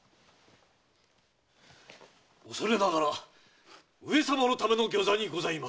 おそれながら上様のための御座にございますれば。